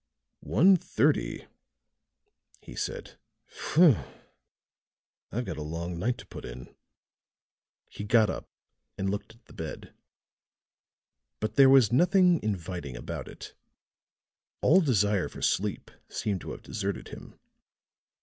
"One thirty," he said. "Phew! I've got a long night to put in." He got up and looked at the bed. But there was nothing inviting about it; all desire for sleep seemed to have deserted him.